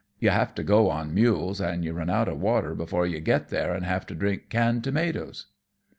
You have to go on mules, and you run out of water before you get there and have to drink canned tomatoes."